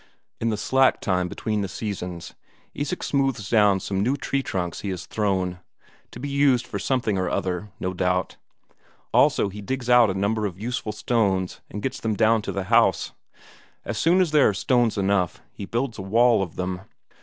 In the slack time between the seasons, Isak smooths down some new tree trunks he has thrown; to be used for something or other, no doubt. Also he digs out a number of useful stones and gets them down to the house; as soon as there are stones enough, he builds a wall of them.